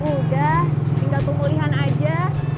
udah tinggal pemulihan aja